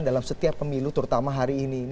dalam setiap pemilu terutama hari ini